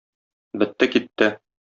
Бетте-китте!